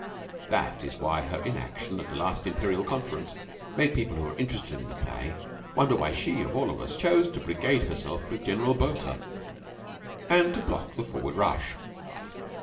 That is why her inaction at the last Imperial Conference made people who were interested in the play wonder why she, of all of us, chose to brigade herself with General Botha and to block the forward rush.